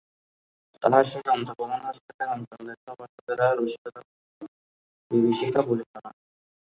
তাহার সেই দন্তপ্রধান হাস্যকে রামচন্দ্রের সভাসদেরা রসিকতা বলিত, বিভীষিকা বলিত না।